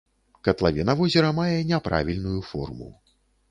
Катлавіна возера мае няправільную форму.